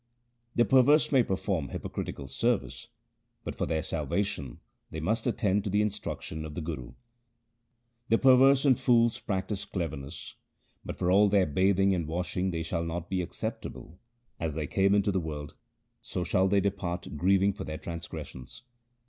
The perverse may perform hypocritical service, but for their salvation they must attend to the instruction of the Guru :— The perverse and fools practise cleverness, But for all their bathing and washing they shall not be acceptable. As they, came into the world, so shall they depart grieving for their transgressions.